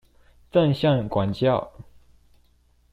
正向管教